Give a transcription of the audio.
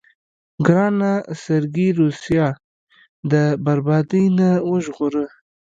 ګرانه سرګي روسيه د بربادۍ نه وژغوره.